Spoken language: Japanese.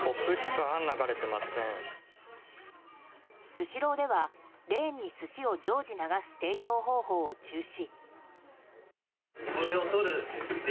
スシローではレーンに寿司を常時流す提供方法を中止。